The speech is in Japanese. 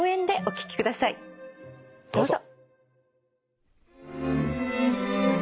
どうぞ。